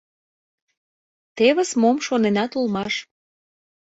Тевыс мом шоненат улмаш!..